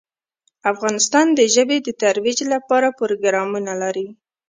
افغانستان د ژبې د ترویج لپاره پروګرامونه لري.